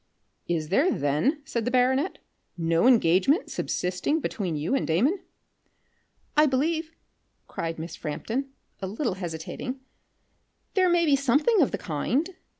"Is there then," said the baronet, "no engagement subsisting between you and Damon?" "I believe," cried Miss Frampton, a little hesitating, "there may be something of the kind.